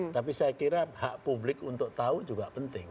tapi saya kira hak publik untuk tahu juga penting